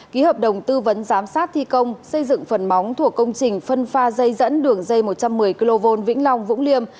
ký hợp đồng tư vấn giám sát thi công xây dựng phần móng thuộc công trình phân pha dây dẫn đường dây một trăm một mươi kv vĩnh long vũng liêm